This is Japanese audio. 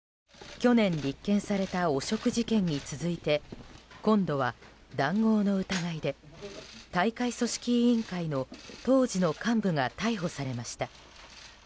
去年、立件された汚職事件に続いて今度は談合の疑いで大会組織委員会の当時の幹部が逮捕されました。